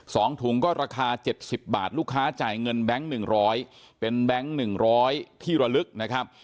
สองถุงก็ราคา๗๐บาทลูกค้าจ่ายเงินแบงค์๑๐๐เป็นแบงค์๑๐๐ที่รอลึกนะครับ